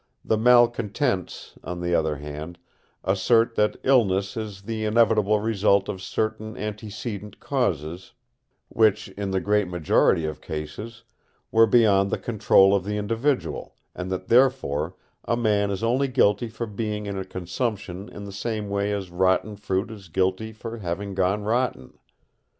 The malcontents, on the other hand, assert that illness is the inevitable result of certain antecedent causes, which, in the great majority of cases, were beyond the control of the individual, and that therefore a man is only guilty for being in a consumption in the same way as rotten fruit is guilty for having gone rotten.